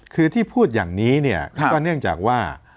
คือที่พูดอย่างนี้เนี่ยก็เนื่องจากว่า